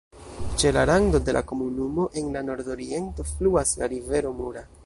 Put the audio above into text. Ĉe la rando de la komunumo en la nordoriento fluas la rivero Mura.